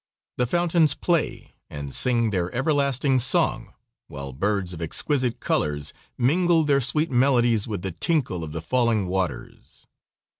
The fountains play and sing their everlasting song, while birds of exquisite colors mingle their sweet melodies with the tinkle of the falling waters.